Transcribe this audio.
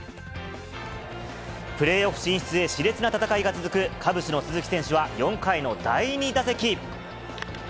プレーオフ進出へしれつな戦いが続くカブスの鈴木選手は４回の第２打席。